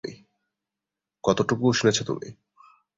কতটুকু শুনেছ তুমি?